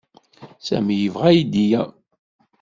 Sami yebɣa aydi-a.